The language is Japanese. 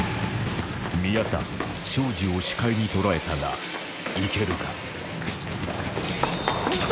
宮田庄司を視界に捉えたが行けるか？